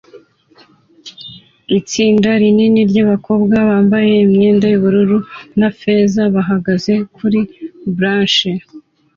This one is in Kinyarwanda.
Itsinda rinini ryabakobwa bambaye imyenda yubururu na feza bahagaze kuri blachers